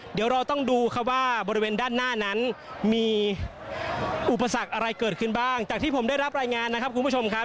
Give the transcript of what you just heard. เดี๋ยวเราต้องดูครับว่าบริเวณด้านหน้านั้นมีอุปสรรคอะไรเกิดขึ้นบ้างจากที่ผมได้รับรายงานนะครับคุณผู้ชมครับ